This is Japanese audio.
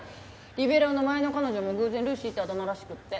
リベロウの前の彼女も偶然ルーシーってあだ名らしくって。